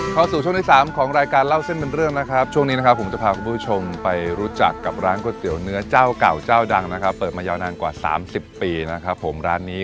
ตอนนี้นะครับผมจะพาคุณผู้ชมไปรู้จักกับร้านก๋วยเตี๋ยวเนื้อเจ้าเก่าเจ้าดังนะครับเปิดมายาวนานกว่า๓๐ปีนะครับผมร้านนี้